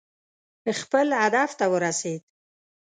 خپل هدف ته ورسېد.